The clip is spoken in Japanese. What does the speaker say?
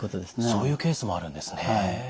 そういうケースもあるんですね。